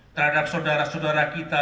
terhadap saudara saudara kita